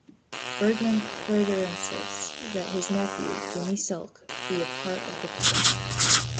Bergman further insists that his nephew, Jimmy Silk, be a part of the crew.